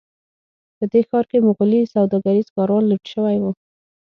په دې ښار کې مغولي سوداګریز کاروان لوټ شوی و.